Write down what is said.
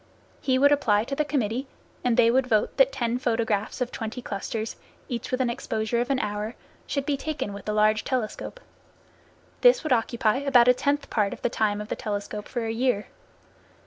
He would apply to the committee, and they would vote that ten photographs of twenty clusters, each with an exposure of an hour, should be taken with the large telescope. This would occupy about a tenth part of the time of the telescope for a year.